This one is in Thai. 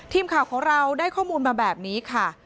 ทีมข่าวของเราได้ข้อมูลมาแบบนี้ค่ะ